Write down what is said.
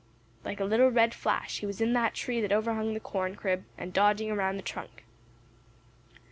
Like a little red flash he was in the tree that overhung the corn crib and dodging around the trunk.